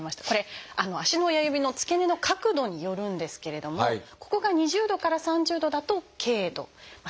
これ足の親指の付け根の角度によるんですけれどもここが２０度から３０度だと「軽度」。